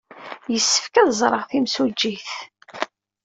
Yessefk ad ẓreɣ timsujjit.